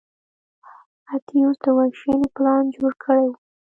اتیوس د وژنې پلان جوړ کړی و.